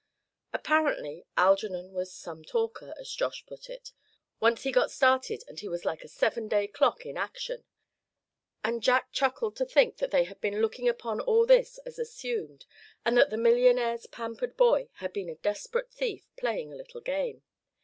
Apparently Algernon was "some talker," as Josh put it. Once he got started, and he was like a seven day clock in action. And Jack chuckled to think that they had been looking upon all this as assumed, and that the millionaire's pampered boy had been a desperate thief, playing a little game.